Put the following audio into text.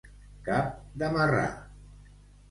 Cap de marrà.